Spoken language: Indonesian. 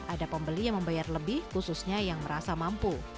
ada pembeli yang membayar lebih khususnya yang merasa mampu